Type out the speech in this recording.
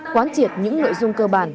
quán triệt những nội dung cơ bản